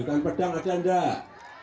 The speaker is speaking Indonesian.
ikan pedang ada nggak